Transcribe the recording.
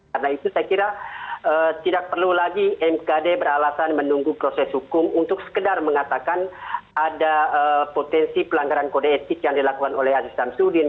karena itu saya kira tidak perlu lagi mkd beralasan menunggu proses hukum untuk sekedar mengatakan ada potensi pelanggaran kode etik yang dilakukan oleh haji samsudin